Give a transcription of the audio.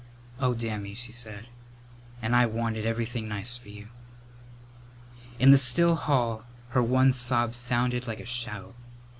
"Oh, Dammy," she said, "and I wanted everything nice for you!" In the still hall her one sob sounded like a shout. Mrs.